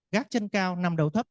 gác chân cao nằm đầu thấp